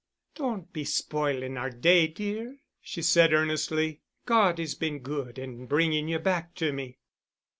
"Don't be spoiling our day, dear," she said earnestly. "God has been good in bringing you back to me.